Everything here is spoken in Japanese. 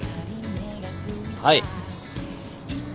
はい。